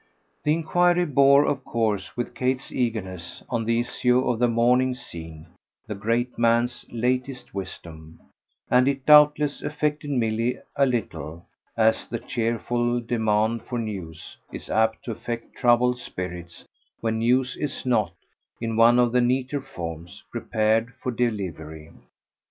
The enquiry bore of course, with Kate's eagerness, on the issue of the morning's scene, the great man's latest wisdom, and it doubtless affected Milly a little as the cheerful demand for news is apt to affect troubled spirits when news is not, in one of the neater forms, prepared for delivery.